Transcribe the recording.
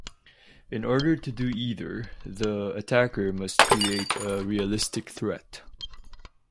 In order to do either, the attacker must create a realistic threat.